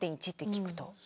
３．１って聞くと。